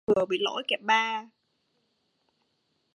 vừa bị lỗi kẹp ba